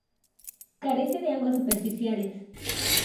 Carece de aguas superficiales.